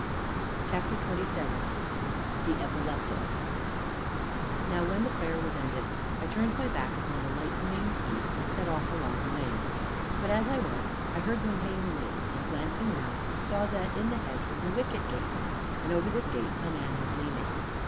CHAPTER XXVII THE EPILEPTIC Now, when the prayer was ended, I turned my back upon the lightening east and set off along the lane. But, as I went, I heard one hailing me, and glancing round, saw that in the hedge was a wicket gate, and over this gate a man was leaning.